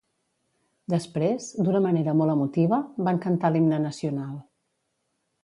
Després, d’una manera molt emotiva, van cantar l’himne nacional.